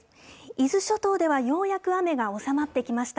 伊豆諸島ではようやく雨が収まってきました。